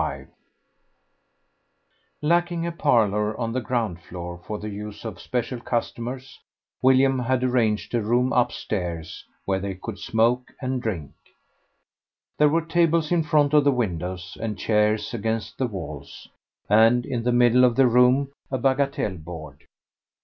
XXXV Lacking a parlour on the ground floor for the use of special customers, William had arranged a room upstairs where they could smoke and drink. There were tables in front of the windows and chairs against the walls, and in the middle of the room a bagatelle board.